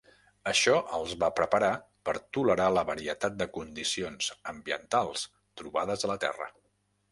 Això els va preparar per tolerar la varietat de condicions ambientals trobades a la terra.